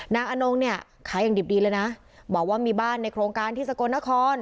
อนงเนี่ยขายอย่างดิบดีเลยนะบอกว่ามีบ้านในโครงการที่สกลนคร